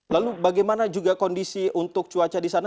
lalu bagaimana juga kondisi untuk cuaca di sana